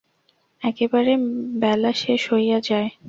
একেবারে বেলা শেষ হইয়া যায়।